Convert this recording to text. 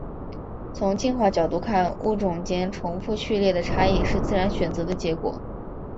从进化角度看物种间重复序列的差异是自然选择的结果。